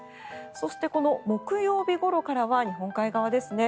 そして、木曜日ごろからは日本海側ですね